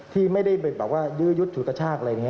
ที่ไม่ได้ไปแบบว่ายื้อยุดฉุดกระชากอะไรอย่างนี้